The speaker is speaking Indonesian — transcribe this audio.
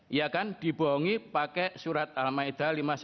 iya kan dibohongi pakai surat al ma'idah lima puluh satu